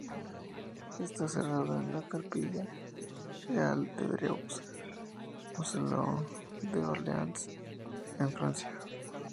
Está enterrado en la Capilla real de Dreux, mausoleo de los Orleans, en Francia.